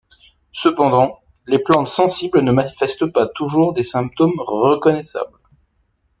Cependant, les plantes sensibles ne manifestent pas toujours des symptômes reconnaissables.